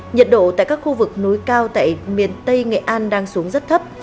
nhiệt độ tại các khu vực núi cao tại miền tây nghệ an đang xuống rất thấp